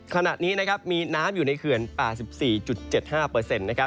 ขณะนี้มีน้ำอยู่ในเขื่อน๘๔๗๕